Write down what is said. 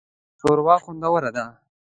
شوروا خوندوره ده